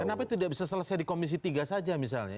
kenapa tidak bisa selesai di komisi tiga saja misalnya